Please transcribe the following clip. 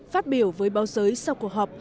phát biểu với báo giới sau cuộc họp